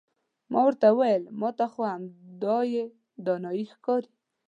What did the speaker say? ما ورته وویل ما ته خو همدایې دانایي ښکاري.